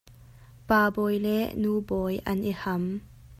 Pa Bawi le Nu Bawi an i ham.